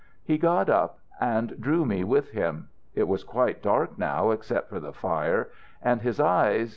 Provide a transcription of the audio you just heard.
He got up and drew me with him. It was quite dark now except for the fire, and his eyes